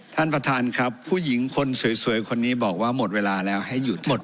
ท่านประธานครับผู้หญิงคนสวยคนนี้บอกว่าหมดเวลาแล้วให้หยุดหมด